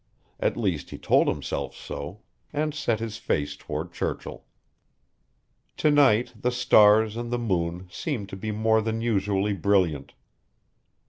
At least he told himself so, and set his face toward Churchill. To night the stars and the moon seemed to be more than usually brilliant.